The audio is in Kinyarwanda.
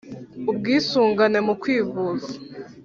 ubwisungane mu kwivuza: